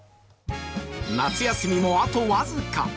夏休みも、あと僅か。